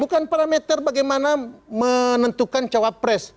bukan parameter bagaimana menentukan cawapres